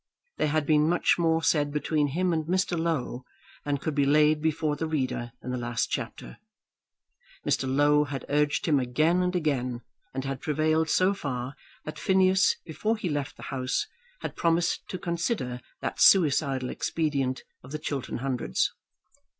There had been much more said between him and Mr. Low than could be laid before the reader in the last chapter. Mr. Low had urged him again and again, and had prevailed so far that Phineas, before he left the house, had promised to consider that suicidal expedient of the Chiltern Hundreds.